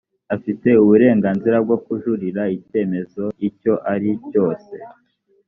afite uburenganzira bwo kujuririra icyemezo icyo ari cyose